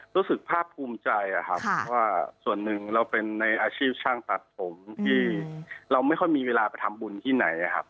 รู้สึกภาพภูมิใจครับว่าส่วนหนึ่งเราเป็นในอาชีพช่างตัดผมที่เราไม่ค่อยมีเวลาไปทำบุญที่ไหนครับ